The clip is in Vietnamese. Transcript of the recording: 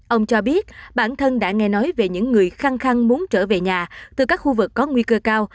ông cho biết bản thân đã nghe nói về những người khăng khăn muốn trở về nhà từ các khu vực có nguy cơ cao